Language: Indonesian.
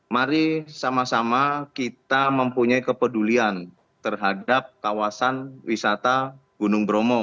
mari sama sama kita mempunyai kepedulian terhadap kawasan wisata gunung bromo